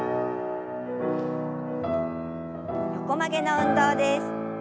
横曲げの運動です。